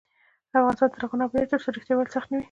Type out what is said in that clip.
افغانستان تر هغو نه ابادیږي، ترڅو ریښتیا ویل سخت نه وي.